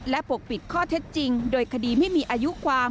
และปกปิดข้อเท็จจริงโดยคดีไม่มีอายุความ